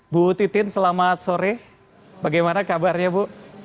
bu titin selamat sore bagaimana kabarnya bu